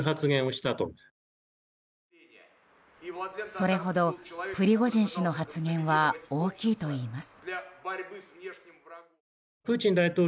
それほど、プリゴジン氏の発言は大きいといいます。